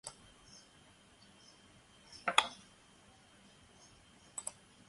廉江青年抗敌同志会旧址的历史年代为抗日战争时期。